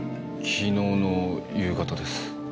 昨日の夕方です。